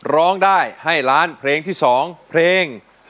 ร้องได้ให้ล้านเพลงที่๒เพลง